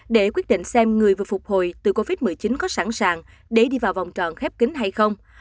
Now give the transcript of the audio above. để quyết định xem người vừa phục hồi từ covid một mươi chín có sẵn sàng để đi vào vòng tròn khép kính hay không